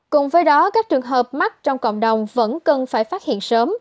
cùng với đó các trường hợp mắc trong cộng đồng vẫn cần phải phát hiện sớm